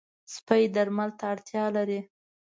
سپي درمل ته اړتیا لري.